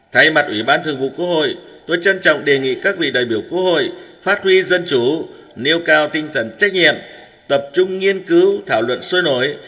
thay mặt ủy ban thường vụ quốc hội tôi trân trọng đề nghị các vị đại biểu quốc hội phát huy dân chủ nêu cao tinh thần trách nhiệm tập trung nghiên cứu thảo luận sôi nổi